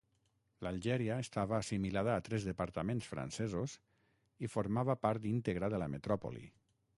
L'Algèria estava assimilada a tres departaments francesos i formava part íntegra de la metròpoli.